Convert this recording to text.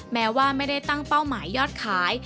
แม้ว่าไม่ได้ตั้งเป้าหมายยอดขาย